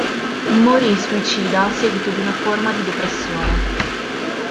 Morì suicida a seguito di una forma di depressione.